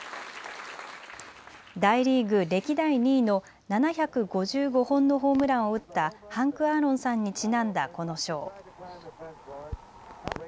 大リーグ歴代２位の７５５本のホームランを打ったハンク・アーロンさんにちなんだこの賞。